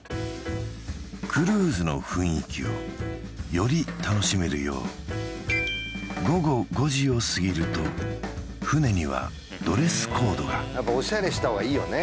クルーズの雰囲気をより楽しめるよう午後５時を過ぎると船にはドレスコードがやっぱオシャレした方がいいよね